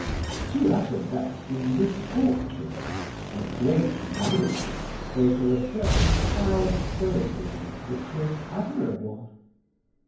She was at her best in misfortune; her great vanity gave her a certain proud stoicism which was admirable.